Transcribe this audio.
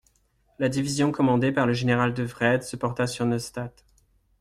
La division commandée par le général de Wrede se porta sur Neustadt.